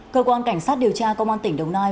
cơ quan cảnh sát điều tra công an tỉnh đồng nai